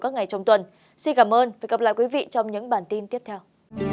hẹn gặp lại các bạn trong những bản tin tiếp theo